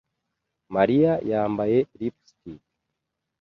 Mariya yambaye lipstick.